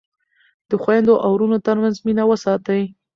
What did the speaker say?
د خویندو او وروڼو ترمنځ مینه وساتئ.